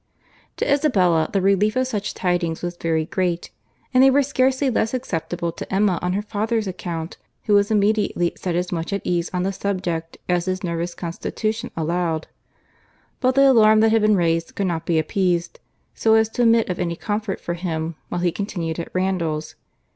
To Isabella, the relief of such tidings was very great, and they were scarcely less acceptable to Emma on her father's account, who was immediately set as much at ease on the subject as his nervous constitution allowed; but the alarm that had been raised could not be appeased so as to admit of any comfort for him while he continued at Randalls.